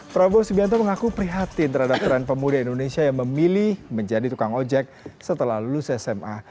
prabowo subianto mengaku prihatin terhadap tren pemuda indonesia yang memilih menjadi tukang ojek setelah lulus sma